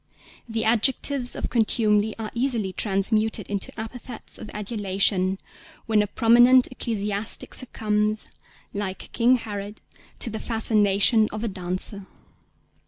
The adjectives of contumely are easily transmuted into epithets of adulation, when a prominent ecclesiastic succumbs, like King Herod, to the fascination of a dancer.